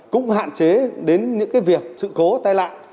cũng hạn chế đến những việc sự cố tai nạn